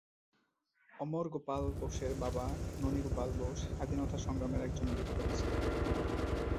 অমর গোপাল বোসের বাবা ননী গোপাল বোস স্বাধীনতা সংগ্রামের একজন বিপ্লবী ছিলেন।